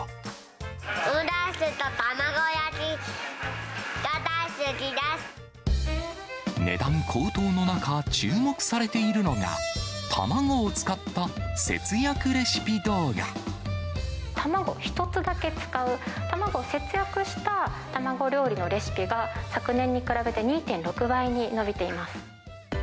オムライスと卵焼きが大好き値段高騰の中、注目されているのが、卵１つだけ使う、卵を節約した卵料理のレシピが、昨年に比べて２．６倍に伸びています。